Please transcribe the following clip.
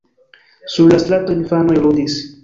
Sur la strato infanoj ludis.